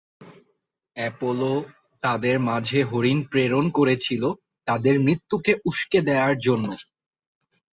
Apollo তাদের মাঝে হরিণ প্রেরণ করেছিল তাদের মৃত্যুকে উস্কে দেয়ার জন্য।